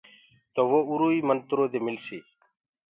تو وو اِرو ئي منترو دي مِلسيٚ۔